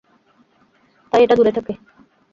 তাই এটা থেকে দূরে থাকি।